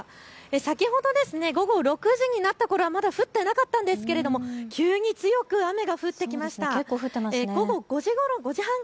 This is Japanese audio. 先ほど午後６時になったころはまだ降っていなかったんですが急に強く雨が降ってきました。